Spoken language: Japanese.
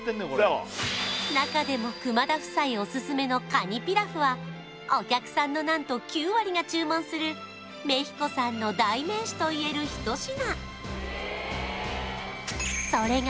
中でも熊田夫妻オススメのカニピラフはお客さんの何と９割が注文するメヒコさんの代名詞といえる一品